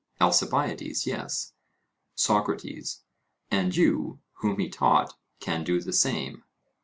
ALCIBIADES: Yes. SOCRATES: And you, whom he taught, can do the same?